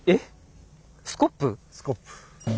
スコップ。